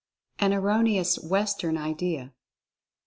AN ERRONEOUS WESTERN IDEA.